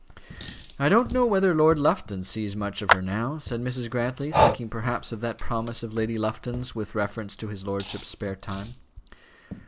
"I don't know whether Lord Lufton sees much of her now," said Mrs. Grantly, thinking perhaps of that promise of Lady Lufton's with reference to his lordship's spare time.